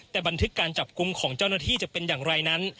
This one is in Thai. แต่บันทึกการจับกลุ่มของเจ้าหน้าที่จะเป็นอย่างไรนั้น